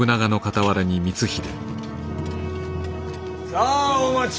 さあお待ち